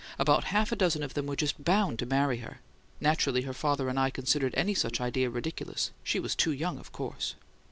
About half a dozen of them were just BOUND to marry her! Naturally, her father and I considered any such idea ridiculous; she was too young, of course."